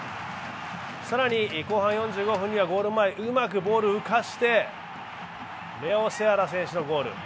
更に後半４５分にはゴール前、うまくボールを浮かしてレオ・セアラ選手のゴール。